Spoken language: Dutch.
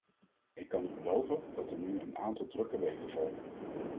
Ik kan u beloven dat er nu een aantal drukke weken volgen.